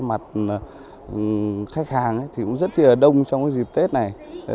mặt khách hàng cũng rất đông trong dịp tết này